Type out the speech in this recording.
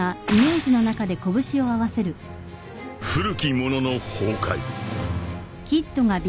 ［「古きものの崩壊」］